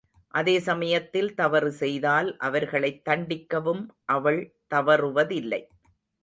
அதே சமயத்தில் தவறு செய்தால் அவர்களைத் தண்டிக்கவும் அவள் தவறுவதில்லை.